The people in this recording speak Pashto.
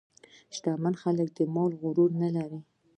شتمن خلک د مال غرور نه لري.